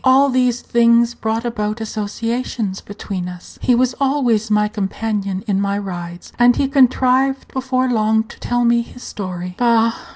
All these things brought about associations between us; he was always my companion in my rides; and he contrived before long to tell me his story. Bah!